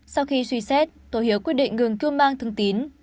sau khi suy xét tổ hiếu quyết định ngừng cưu mang thương tín